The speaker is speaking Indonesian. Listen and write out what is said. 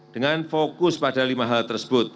dengan fokus pada lima hal tersebut